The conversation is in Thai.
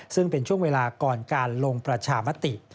ซึ่งเป็นช่วงเวลาก่อนการลงประชามติ